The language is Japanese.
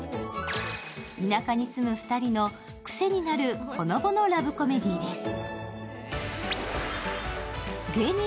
田舎に住む２人の癖になるほのぼのラブコメディーです。